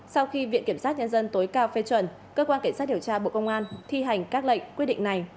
sau khi viện kiểm sát nhân dân tối cao phê chuẩn cơ quan cảnh sát điều tra bộ công an thi hành các lệnh quyết định này